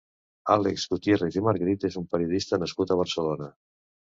Àlex Gutiérrez i Margarit és un periodista nascut a Barcelona.